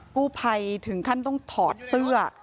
กู้ภัยถึงขั้นต้องถอดเสื้อ